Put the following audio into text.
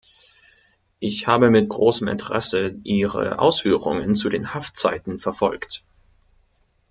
Ich habe mit großem Interesse Ihre Ausführungen zu den Haftzeiten verfolgt.